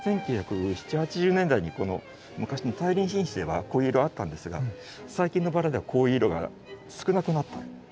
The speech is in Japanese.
１９７０８０年代にこの昔の大輪品種ではこういう色あったんですが最近のバラではこういう色が少なくなったんです。